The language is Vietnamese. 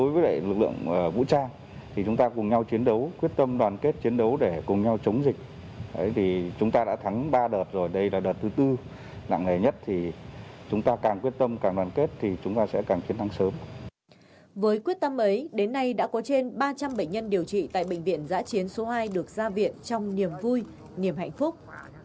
với quyết tâm ấy đến nay đã có trên ba trăm linh bệnh nhân điều trị tại bệnh viện giã chiến số hai được ra viện trong niềm vui niềm hạnh phúc